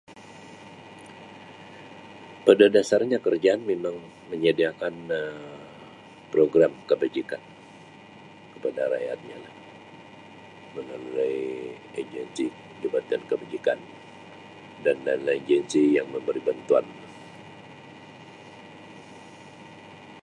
Pada dasarnya kerajaan memang menyediakan Um program kebajikan kepada rakyatnya lah melalulai agensi jabatan kebajikan dan lain-lain agensi yang memberi bantuan.